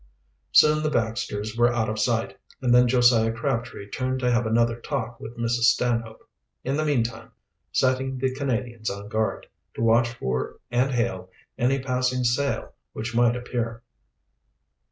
Soon the Baxters were out of sight, and then Josiah Crabtree turned to have another talk with Mrs. Stanhope, in the meantime setting the Canadians on guard, to watch for and hail any passing sail which might appear.